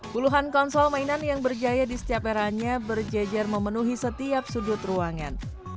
puluhan konsol mainan yang berjaya di setiap eranya berjejer memenuhi setiap sudut ruangan